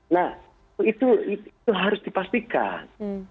nah itu harus dipastikan